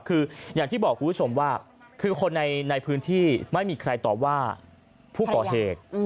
คืออย่างที่บอกคุณผู้ชมว่าคือคนในพื้นที่ไม่มีใครตอบว่าผู้ก่อเหตุ